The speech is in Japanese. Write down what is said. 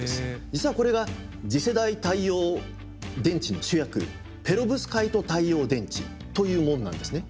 実はこれが次世代太陽電池の主役ペロブスカイト太陽電池というものなんですね。